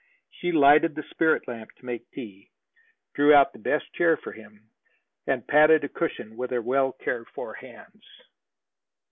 She lighted the spirit lamp to make tea, drew out the best chair for him, and patted a cushion with her well cared for hands.